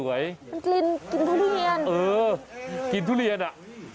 เออกลิ่นทุเรียนอะ